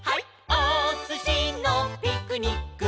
おすしのピクニック」